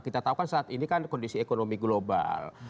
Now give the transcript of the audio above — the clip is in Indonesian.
kita tahu kan saat ini kan kondisi ekonomi global